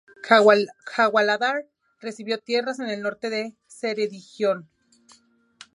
Cadwaladr recibió tierras en el norte de Ceredigion.